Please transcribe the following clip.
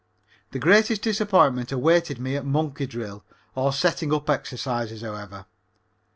The greatest disappointment awaited me at "Monkey Drill," or setting up exercises, however.